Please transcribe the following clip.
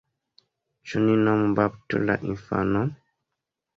Ĉu ni nom-baptu la infanon?